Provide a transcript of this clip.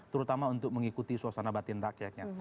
terutama untuk mengikuti suasana batin rakyatnya